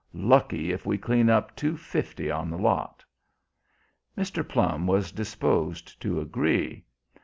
Lucky if we clean up two fifty on the lot." Mr. Plum was disposed to agree.